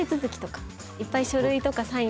いっぱい。